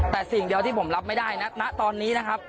แต่สิ่งเดียวที่ผมรับไม่ได้ณตอนนี้นะครับ